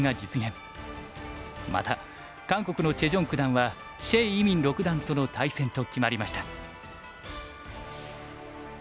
また韓国のチェ・ジョン九段は謝依旻六段との対戦と決まりました。